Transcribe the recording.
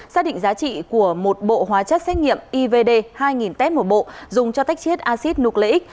xác định giá trị của một bộ hóa chất xét nghiệm ivd hai nghìn t một bộ dùng cho tách chết acid nucleic